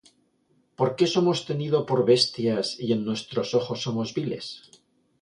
¿Por qué somos tenidos por bestias, Y en vuestros ojos somos viles?